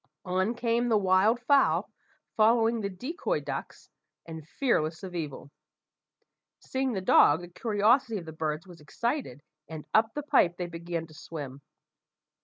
On came the wild fowl, following the decoy ducks and fearless of evil. Seeing the dog, the curiosity of the birds was excited, and up the pipe they began to swim.